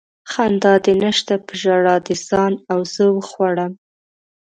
خندا دې نشته په ژړا دې ځان او زه وخوړم